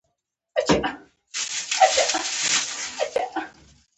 وايي دنیا دوه ورځې ده.